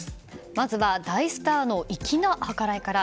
まずは大スターの粋な計らいから。